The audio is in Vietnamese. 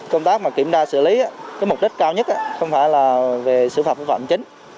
công tác mà kiểm tra xử lý cái mục đích cao nhất không phải là về xử phạm phương phạm chính